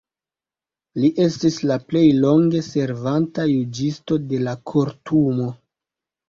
Li estis la plej longe servanta juĝisto de la Kortumo.